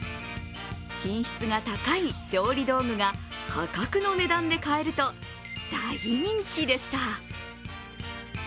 品質が高い調理道具が破格の値段で買えると、大人気でした。